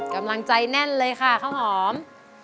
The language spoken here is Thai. กำลังใจแน่นเลยค่ะข้าวหอม